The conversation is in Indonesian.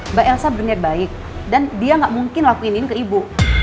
mbak elsa berniat baik dan dia gak mungkin lakuin ini ke ibu